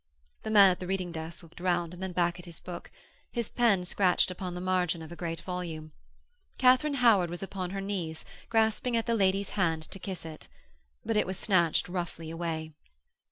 The man at the reading desk looked round and then back at his book. His pen scratched upon the margin of a great volume. Katharine Howard was upon her knees grasping at the lady's hand to kiss it. But it was snatched roughly away.